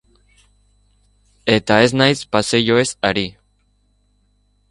Eta ez naiz paseilloez ari.